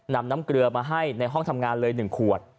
นำน้ำเกลือมาให้ในห้องทำงานเลย๑ขวด